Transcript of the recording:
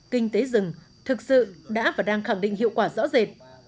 kinh tế rừng thực sự đã và đang khẳng định hiệu quả rõ rệt